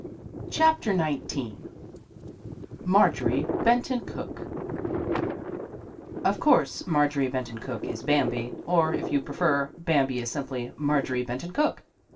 CHAPTER XIX MARJORIE BENTON COOKE OF course Marjorie Benton Cooke is Bambi, or, if you prefer, Bambi is simply Marjorie Ben ton Cooke.